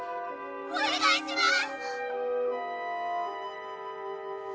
お願いします！